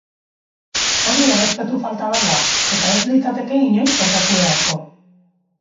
Hori errespetu falta bat da, eta ez litzateke inoiz gertatu beharko.